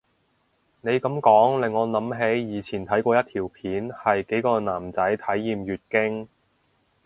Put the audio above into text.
你噉講令我諗起以前睇過一條片係幾個男仔體驗月經